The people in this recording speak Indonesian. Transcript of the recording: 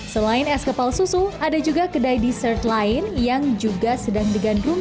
selain es kepal susu ada juga kedai dessert lain yang juga sedang digandrungi